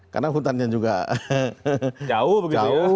karena hutannya juga jauh